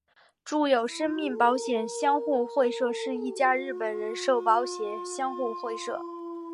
住友生命保险相互会社是一家日本人寿保险相互会社。